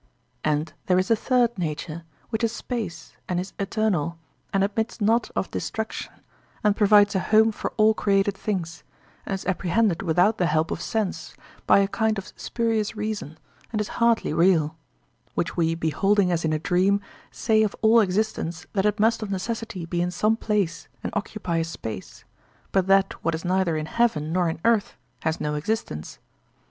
And there is a third nature, which is space, and is eternal, and admits not of destruction and provides a home for all created things, and is apprehended without the help of sense, by a kind of spurious reason, and is hardly real; which we beholding as in a dream, say of all existence that it must of necessity be in some place and occupy a space, but that what is neither in heaven nor in earth has no existence.